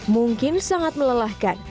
mungkin sangat melelahkan